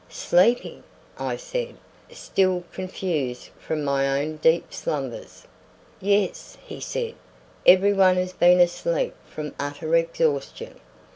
"Sleeping!" I said, still confused from my own deep slumbers. "Yes," he said; "every one has been asleep from utter exhaustion."